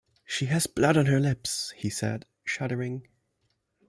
‘She has blood on her lips!’ he said, shuddering.